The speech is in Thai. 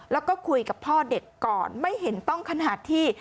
แล้วก็คุยกับพ่อเด็กก่อนไม่เห็นต้องขนาดที่